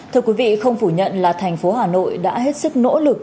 thưa quý vị không phủ nhận là thành phố hà nội đã hết sức nỗ lực